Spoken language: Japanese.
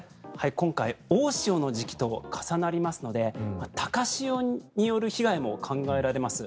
今回大潮の時期と重なりますので高潮による被害も考えられます。